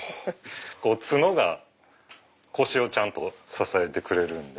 角が腰をちゃんと支えてくれるんで。